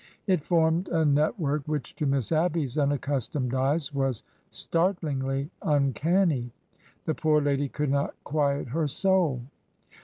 It formed a net work which to Miss Abby's unaccustomed eyes was start lingly uncanny. The poor lady could not quiet her soul.